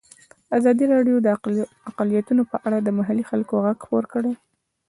ازادي راډیو د اقلیتونه په اړه د محلي خلکو غږ خپور کړی.